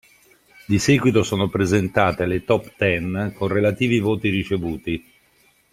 Di seguito sono presentate le top ten con relativi voti ricevuti.